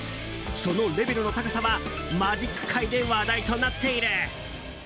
そのレベルの高さはマジック界で話題となっている。